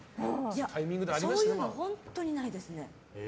そういうの本当にないですね。